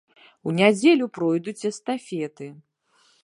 У нядзелю пройдуць эстафеты.